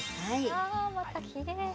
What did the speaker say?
あまたきれい！